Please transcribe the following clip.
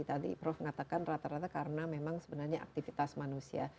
tadi prof mengatakan rata rata karena memang sebenarnya aktivitas manusia